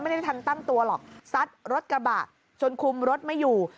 ไม่ได้ทันตั้งตัวหรอกซัดรถกระบะจนคุมรถไม่อยู่